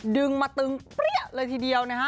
ดึงมาตึงเปรี้ยเลยทีเดียวนะฮะ